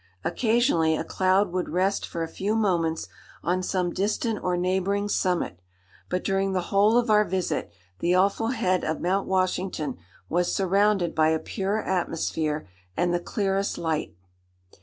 Occasionally, a cloud would rest for a few moments on some distant or neighbouring summit, but during the whole of our visit the awful head of Mount Washington was surrounded by a pure atmosphere and the clearest light."